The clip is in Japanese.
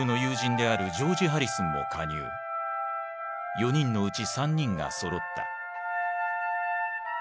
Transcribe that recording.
４人のうち３人がそろった。